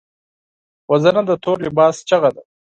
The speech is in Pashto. وژنه د تور لباس چیغه ده